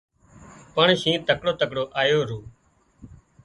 پڻ شِنهن تڪڙو تڪڙو آيو رو